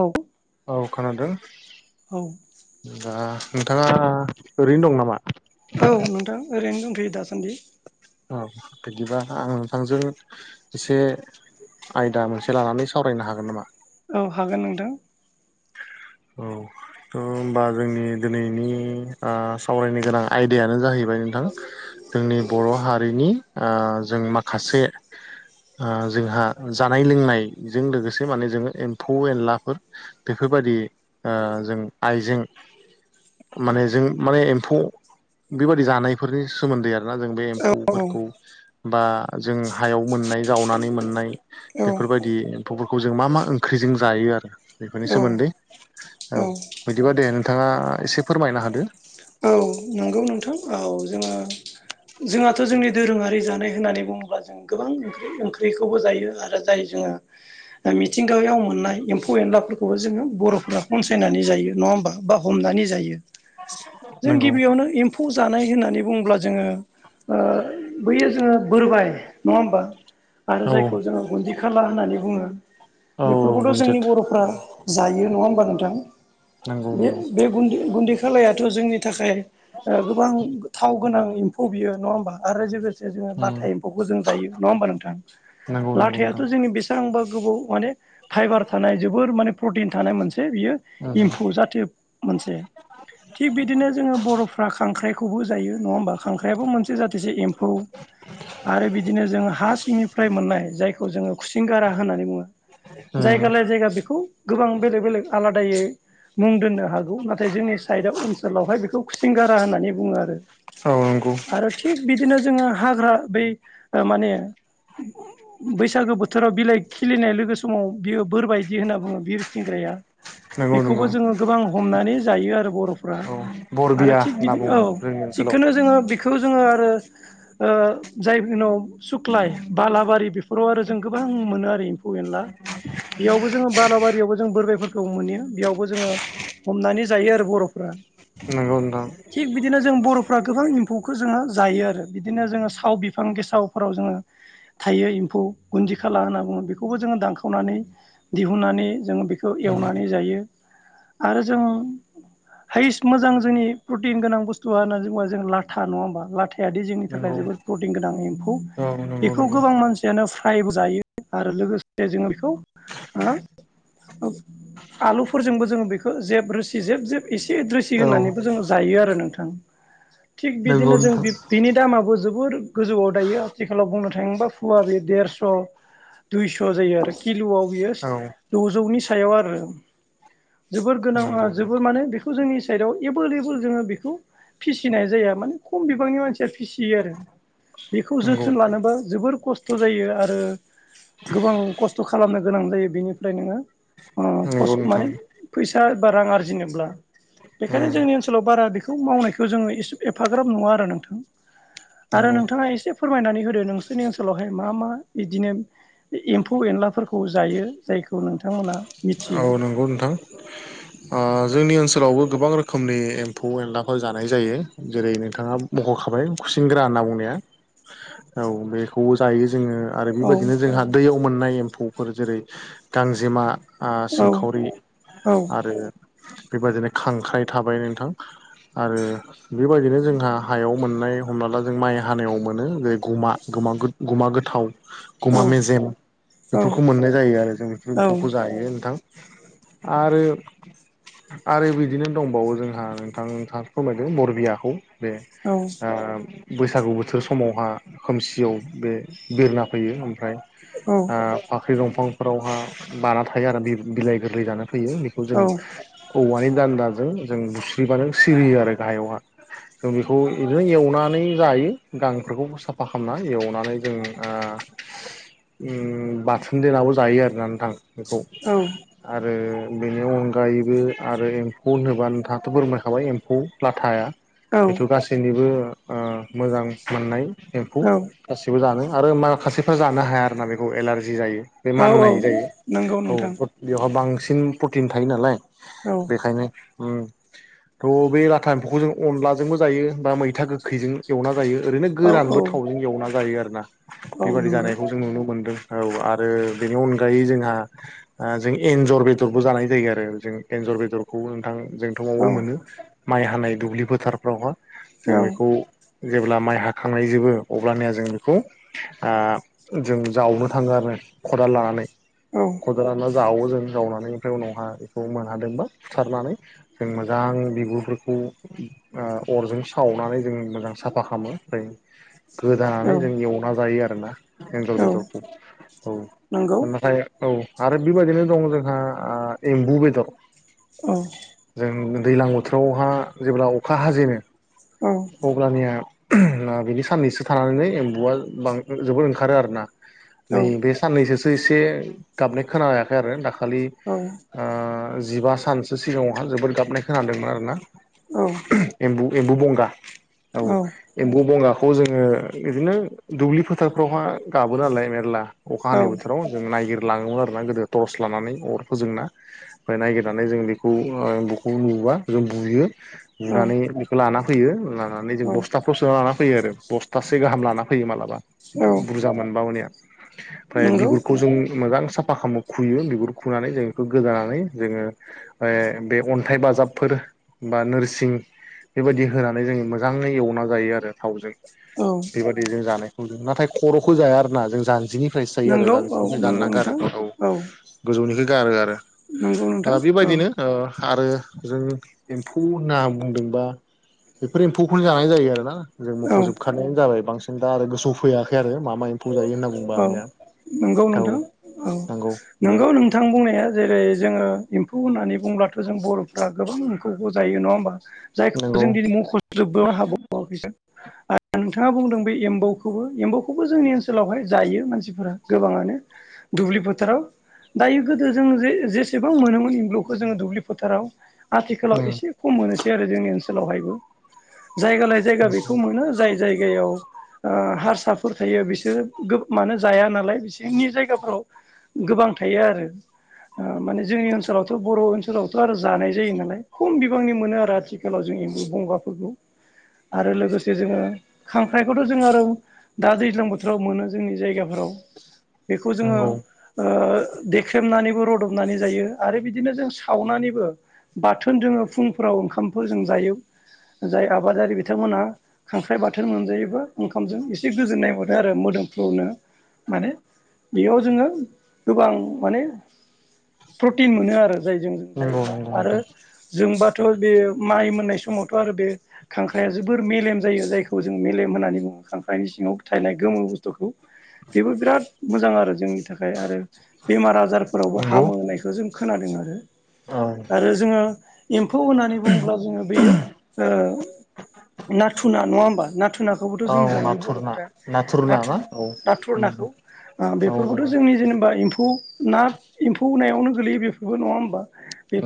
औ। औ खोनादों। औ। दा नोंथाङा ओरैनो दं नामा? औ नोंथां ओरैनो दंथ'यो दासान्दि। औ बिदिबा आं नोंथांजों एसे आयदा मोनसे लानानै सावरायनो हागोन नामा? औ हागोन नोंथां। औ। थ' होमबा जोंनि दिनैनि ओ सावरायनो गोनां आयदायानो जाहैबाय नोंथां जोंनि बर' हारिनि ओ जों माखासे ओ जोंहा जानाय लोंनायजों लोगोसे माने जोङो एम्फौ एनलाफोर बेफोरबायाददि ओ जों आइजें माने जों माने एम्फौ बेबादि जानाय फोरनि सोमोन्दै आरोना जों बे औ औ एम्फौफोरखौ बा जों हायाव मोननाय जावनानै मोननाय औ बेफोरबायदि एम्फौफोरखौ जों मा मा ओंख्रिजों जायो आरो बेफोरनि औ सोमोन्दै औ बिदिबा दे नोंथाङा एसे फोरमायनो होदो। औ नोंगौ नो नोंथां औ जोङो जोंहाथ' जोंनि दोरोङारि जानाय होननानै बुङोब्ला जों गोबां ओंख्रि ओंख्रिखौबो जायो आरो जाय जोङो मिथिंगायाव मोननाय एम्फौ एनलाफोरखौबो जोङो बर'फोरा खनसायनानै जायो नङा होमबा? बा हमनानै जायो जों नंगौ गिबियावनो इम्फौ जानाय होननानै बुङोब्ला जोङो ओ बैयो जोङो बोरबाय नङा होमबा? आरो औ जायखौ जोङो गुन्दि खालार होननानै बुङो। औ बेफोरखौथ' मोनजोद जोंनि बर'फ्रा जायो नङा होमबा नोंथां। नोंगौ बे बे गुन्दै गुन्दै खालायाथ' जोंनि थाखाय ओ गोबां गोथाव गोनां इम्फौ बियो नङा होमबा आरो लाथा एम्फौखौ जों जायो नङा होमबा नोंथां? लाथायाथ' जोंनि बे सांबा गोबौ माने फाइबार थानाय जोबोर माने प्रटिन थानाय मोनसे बियो इम्फौ जाथो मोनसे। थिग बिदिनो जोङो बर'फ फ्रा खांख्राइखौबो जायो नङा होमबा खांख्राइआबो मोनसे जाथिसे एम्फौ। आरो बिदिनो जोङो हा सिंनिफ्राय मोननाय जायखौ जोङो खुसिंग्रा होननानै बुङो। जायगा लाय जायगा बेखौ गोबां बेलेग बेलेग आलादायै मुं दोननो हागौ नाथाय जोंनि साइडाव ओनसोलावहाय बेखौ खु सिंगारा होननानै बुङो आरो औ नंगौ आरो थिग बिदिनो जोङो हाग्रा बै ओ माने बैसागो बोथोराव बिलाइ खिलिनाय लोगो समाव बियो बोर बायदि होनना बुङो बिर थिंग्राया नंगौ नंगौ बेखौबो जोङो गोबां हमनानै जायो आरो बर'फ्रा। औ आरो बरबिया थिग होनना बिदि औ बुङो जोंनि ओनसोलाव थिगखोनो जोङो बेखौ जोङो आरो ओ जायफोरनाव सुक्लाय बालाबारि बेफोराव आरो जों गोबां मोनो आरो इम्फौ एनला। बेयावबो जोङो बालाबारियावबो जों बोरबाइफोरखौ मोनो बेयावबो जोङो हमनानै जायो आरो बर'फ्रा। नोंगौ नोंथां। थिग बिदिनो जों बर'फ्रा गोबां इम्फौखौ जोङो जायो आरो बिदिनो जोङो साव बिफां गेसावफोराव जोङो थायो इम्फौ गुन्दि खाला होनना बुङो बेखौबो जोङो दानखावनानै दिहुननानै जों बिखौ उम एवनानै जायो आरो जों हाइस मोजां। जोंनि प्रटिन गोनां बुस्तुवा होनना जोंबा जों लाथा नङा होमबा लाथायादि जोंनि थाखाय नंगौ जोबोद प्रटिन गोनां एम्फौ। औ नंगौ बेखौ नंगौ गोबां मानसि यानो फ्रायबो जायो आरो लोगोसे जोङो बेखौ ओ आलुफोरजोंबो जोङो बेखो जेब रोसि जेब जेब एसे रोसि औ होनानै जोङो जायो आरो नोंथां थिग नंगौ बिदिनो जों नोंथां बि बिनि दामाबो जोबोर गोजौआव दायो आथिखालाव बुंनो थाङोबा फुवाबे देरस'। दुइस' जायो आरो किलुआव बियो औ द'जौनि सायाव आरो। जोबोर गोनां ओ नंगौ नंगौ जोबोर माने बेखो जोंनि साइडआव एबो ओरैबो जोङो बेखौ फिसिनाय जाया माने खम बिबांनि मानसिया फिसियो आरो। बेखौ नंगौ जोथोन लानोबा जोबोर खस्थ' जायो आरो गोबां कस्थ' खालामनो गोनां जायो बिनिफ्राय नोङो ओ नंगौ पस नोंथां माने फैसा बा रां आरजिनोब्ला बेखायनो उम जोंनि ओनसोलाव बारा बेखौ मावनायखौ जोङो एसे एफाग्राब नुआ आरो नोंथां। आरो नंगौ नोंथाङा एसे फोरमायनानै होदो नोंसोरनि ओनसोलावहाय मा मा बिदिनो एम्फौ एनलाफोरखौ जायो जायखौ नोंथांमोना मिथियो। औ नंगौ नोंथां। ओ जोंनि ओनसोलावबो गोबां रोखोमनि एम्फौ एनलाफोर जानाय जायो जेरै नोंथाङा मख''खाबाय खुसिंग्रा होनना बुंनाया औ बेखौबो जायो जोङो। आरो औ बेबायदिनो जोंहा दैयाव मोननाय एम्फौफोर जेरै गांजेमा। आ औ सिंखावरि औ आरो बेबादिनो खांख्राइ थाबाय नोंथां आरो बेबायदिनो जोंहा हायाव मोननाय हमना ला जों माइ हानायाव मोनो जेरै गमा गुमा गोथाव औ गमा मेजेम बेफोरखौ मोननाय जायो आरो जों औ एम्फौखौ जायो नोंथां आरो आरो बिदिनो दंबावो जोंहा नोंथां नों फोरमायदों बरबियाखौ बे ओ बैसागु बोथोर समावहा खोमसियाव बे बिरना फैयो ओमफ्राय औ ओ फाख्रि दंफांफोरावहा बाना थायो आरो बिलाइ गोरलै जानो फैयो बेखौ औ जों औवानि दान्दाजों जों बुस्रिबानो सिरियो आरो गाहायावहा जों बेखौ बिदिनो एवनानै जायो गांफोरखौबो साफा खालामना एवनानै जों ओ ओम बाथोन देनाबो जायो आरोना नोंथां बेखौ आरो बेनि अनगा अगायैबो आरो एम्फौ होनोबा नोंथाङाथ' बोरमायखाबाय एम्फौ लाथाया बेथ' औ गासिबो जोंनिबो ओ मोजां मोननाय एम्फौ औ गासिबो जानो आरो माखासेफ्रा जानो हाया आरो ना बेखौ एलारजि जायो बे औ औ माननाय जायो नंगौ नोंथां औ बेवहाय बांसिन प्रटिन थायो नालाय औ बेखायनो ओम थह बे लाथा एम्फौखौ जों अनलाजोंबो जायो बा मैथा गोखैजों एवना जायो ओरैनो औ औ गोरानबो थावजों एवना जायो आरोना औ बेबादि नंगौ जानायखौ नुनो मोनदों औ आरो बेनि अनगायै जोंहा जों एन्जर बेदरबो जानाय जायो आरो जों एन्जर बेदरखौ नोंथां जोंथ, औ [unintelligible] मोनो माइ हानाय दुब्लि फोथारफ्रावहाय जों औ बेखौ जेब्ला माइ हाखांनायजोबो अब्लानिया जों बेखौ ओ जों जावनो थाङो आरोना खदाल लानानै औ खदाल लाना जावो जों जावनानै ओमफ्राय उनावहा बेखौ मोनहादोंबा बुथारनानै जों मोजां बिबुफोरखौ ओ अरजों सावनानै जों मोजां साफा खालामो ओमफ्राय गोदानानै औ जों एवना जायो आरोना एन्जर औ बेदरखौ नंगौ औ नाथाय औ आरो बेबायदिनो दं जोंहा ओ एम्बु बेदर औ जों दैज्लां बोथोरावहा जेब्ला अखा हाजेनो औ अब्लानिया बिनि साननैसो थानानैनो एम्बुआ जोबोद ओंखारो आरोना औ नै बे साननैसोसो एसे गाबनाय खोनायाखै आरो दाखालि औ ओ जिबा सानसो सिगाङावहा जोबोद गाबनाय खोनादोंमोन आरोना औ एम्बु एम्बु बंगा औ एम्बु बंगाखौ जोङो बिदिनो दुब्लि फोथारफ्रावहा गाबो नालाय मेरला अखा औ हानाय बोथोराव जों नायगिर लाङोमोन आर ना गोदो टर्स लानानै अर फोजोंना ओममफ्राय नायागिरनानै जों बेखौ एम बेखौ नुबा जों बुयो औ बुनानै लाना फैयो लानानै जों औ बस्थाफ्रोराव सोनालाना फैयो आरो बस्थासे गाहाम लाना फैयो मालाबा औ बुरजा मोनबा हनिया ओमफ्राय नंगौ बिगुरखौ जों मोजां साफा खालामो खुयो बिगुर खुनानै जों गोदानानै जोङो बे अन्थाइ बाजाबफोर बा नोरसिं बेबायदि होनानै जोङो मोजाङै एवना जायो आरो थावजों औ बेबायदि जों जानायखौ जों नाथाय खर'खौ जाया आरोना जों जानजिनि प्राइस जायो आरो नंगौ औ दानजिनिफ्राय दानना नंगौ गारो नोंथां गोथाव औ गोजौनिख गारो आरो नंगौ नोंथां ओ औ बिबायदिनो ओ आरो जों एम्फौ होनना बुंदोंबा बेफोर एम्फौखौनो जानाय जायो आरोना जों औ मख'जोबखानाय जाबाय बांसिन दा आरो गोसो फैयाखै आरो मा मा एम्फौ ओ जायो होनना बुंबा औ आंनिया नंगौ नोंथां औ औ नंगौ दे नंगौ नों थां बुंनाया जेरै जोङो एम्फौ होननानै बुंब्लाथ' जों बर'फ्रा गोबां एम्फौखौ जायो नङा होमबा जायखौ नंगौ जों दिनै मुंख'जोबनो हागौ अ बिसोर नोंथाङा बुंदों बे एम्बौखौबो एम्बौखौ बेखौबो जोंनि ओनसोलावहाय जायो मानसिफोरा गोबाङानो दुब्लि फोथाराव दायो गोदो जों जे-जेसेबां मोनोमोन एमब्लुखौ जोङो दुब्लि फोथाराव आथिखालाव उम एसे खम मोनोसै आरो जोंनि ओनसोलावहायबो जायगा लाय जायगा नंगौ बेखौ मोनो जाय जायगायाव ओ हारसा फोर थायो बिसोरो मानो जाया नालाय बिसोरनि जायगाफोराव गोबां थायो आरो माने जोंनि ओनसोलावथ' बर' ओनसोलावथ' आरो जानाय जायो नालाय खम बिबांनि मोनो आरो आथिखाला व जों एम्बु बंगाफोरखौ आरो लोगोसे जोङो खांख्राइखौथ' जों आरो दा दैज्लां बोथोराव मोनो जोंनि जायगाफोराव बेखौ जोङो नंगौ ओ देख्रेमनानैबो रदबनानै जायो आरो बिदिनो जों सावनानैबो बाथोन जोङो फुंफोराव ओंखामफोरजों जायो जाय आबादारि बिथांमोनहा खांख्राइ बाथोन मोनजायोबा ओंखामजों एसे गोजोननाय मोनो आरो मोदोमफ्रुनो माने बेयाव जोङो गोबां माने प्रटिन मोनो आरो जाय जों नंगौ जायोब्ला नंगौ आरो नोंथां जोंबाथ' बे माइ मोननाय समावथ' आरो बे खांख्राइाया जोबोर मेलेम जायो जायखौ जों मेलेम होन्नानै बुङो खांख्राइनि सिङाव थायनाय गोमो बुस्थुखौ बेबो बिराद मोजां आरो जोंनि थाखाय आरो बेमार आजारफोरावबो नंगौ हामो होननायखौ जों खोनादों आरो औ आरो जोङो एम्फौ होननानै बुङोब्ला जोङो बेयो ओ नाथु ना नङा होमबा नाथु नाखौ थेवबोथ' जों औ जायो नाथुर ना बर'फोरा ना नाथुर ना औ नाथुर उम नाखौ ओ औ बेफोरखौथ' नंगौ जोंनि जेनेबा एम्फौ ना एम्फौ नायावनो गोग्लैयो बेफोरबो नङा होमबा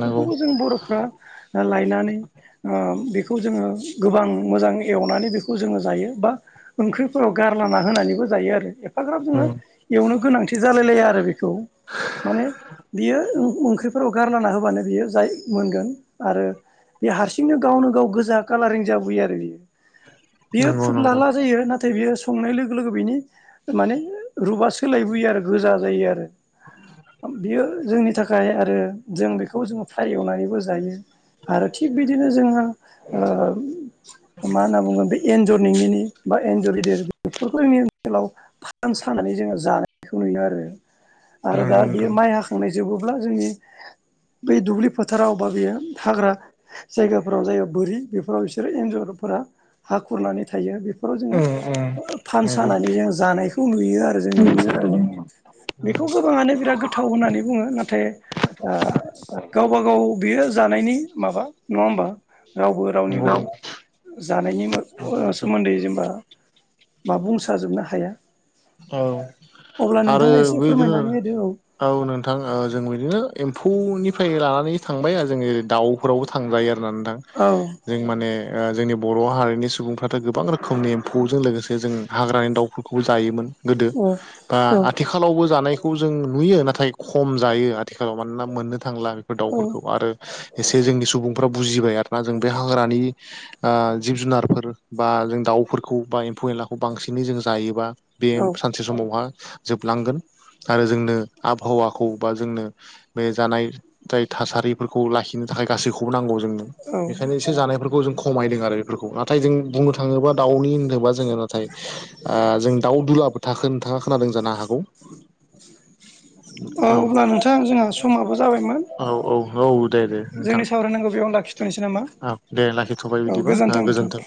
नंगौ जों बर'फ्रा लायनानै ओ बेखौ जोङो गोबां मोजां एवनानै बेखौ जोङो जायो बा ओंख्रिफोराव गारलाना होनानैबो जायो आरो एफाग्राब जोङो उम एवनो गोनांथि जालायलाया आरो बेखौ माने बियो ओंख्रिफोराव गारलाना होबानो बियो जाय मोनगोन आरो बे हारसिंनो गावनो गाव गोजा कालारिं जाबोयो आरो बियो बेयो नंगौ नंगौ फुद्लाला जायो नाथाय बियो संनाय लोगो लोगो बिनि माने रुपा सोलायबोयो आरो गोजा जायो आरो [unintelligible] आरो थिग बिदिनो जोंहा ओ मा होनना बुगोन बे एन्जर निंगिनि बा एनजर गिदिर बेफोरखौ जोंनि ओनसोलाव फान सानानै जोङो जानायखौ नुयो आरो आरो दा नंगौ बेयो नोंथां माइ हाखांनाय जोबोब्ला जोंनि बै दुब्लि फोथाराव बा बेयो हाग्रा जायगाफोराव जायो बोरि बेफोराव फिसोरो एन्जरफोरा हा खुरनानै थायो उम उम जो नंगौ फानसानानै जोङो जानायखौ नुयो आरो जोंनि बिदिनो आरो ओनसोलाव जोंनि बेखौ नंगौ गोबाङानो बिराद गोथाव होननानै बुङो नाथाय गावबा गाव बियो जानायनि माबा नङा होमबा रावबो नंगौ रावनिबो जानायनि नंगौ नोंथां सोमोन्दै बा बुंसाजोबनो हाया औ अब्ला आरो नोंथाङा एसे बैदिनो फोरमायनानै होदो औ नोंथां ओ जों बिदिनो एम्फौनिफ्राय लानानै थांबाय आरो जोङो दाउ फोरावबो थांजायो आरोना नोंथां औ जों माने जोंनि बर' हारिनि सुबुंफ्राथ' गोबां रोखोमनि एम्फौजों लोगोसे जों हाग्रानि दाउ बो जायोमोन गोदो औ बा औ आथिखाल आथिखालावबो जानायखौ जों नुयो नाथाय खम जायो आथिखालाव मानोना मोननो थांला औ दाउफोरखौ आरो एसे जोंनि सुबुंफ्रा बुजिबाय आरो ना जों बे हाग्रानि जिब जुनारफोर बा जों दाउफोरखौ बा एम्फौ एनलाखौ बांसिनै जों जायोबा बे सानसे समावहा जोबलांगोन आरो जोंनो आबहावाखौ बा जोंनो बे जानाय जाय थासारिफोरखौ लाखिनो थाखाय गासैखौबो नांगौ जोंनो औ औ बेखायनो एसे जानायफोरखौ जों खमायदों आरो बेफोरखौ नाथाय जों बुंनो थाङोबा दाउनि होनोबा आ जों [unintelligible] नोंथा खोनादों जानो हागौ औ अब्ला नोंथां जोंहा समाबो जाबायमोन औ औ औ दे दे नोंथां जोंनि सावरायनांगौ बेयावनो लाखिथ'नोसै नामा औ दे लाखिथ'बाय औ बिदिबा नोंथां गोजोन्थों